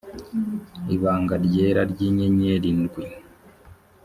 ibanga ryera ry inyenyeri ndwi